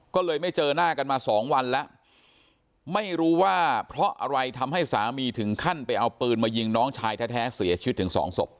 ก็เลยไม่เจอหน้ากันมาสองวันแล้วไม่รู้ว่าเพราะอะไรทำให้สามีถึงขั้นไปเอาปืนมายิงน้องชายแท้เสียชีวิตถึงสองศพ